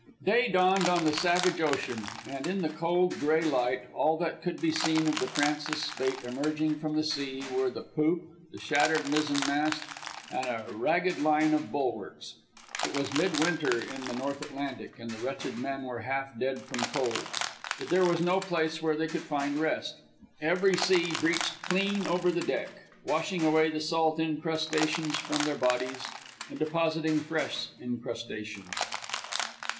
Day dawned on the savage ocean, and in the cold gray light all that could be seen of the Francis Spaight emerging from the sea were the poop, the shattered mizzenmast, and a ragged line of bulwarks. It was midwinter in the North Atlantic, and the wretched men were half dead from cold. But there was no place where they could find rest. Every sea breached clean over the wreck, washing away the salt incrustations from their bodies and depositing fresh incrustations.